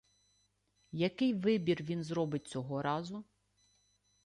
Який вибір він зробить цього разу?